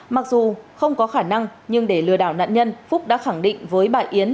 mặc dù không có khả năng nhưng để lừa đảo nạn nhân phúc đã khẳng định với bà yến